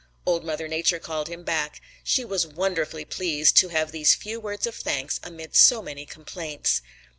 Old Mother Nature called him back. She was wonderfully pleased to have these few words of thanks amid so many complaints.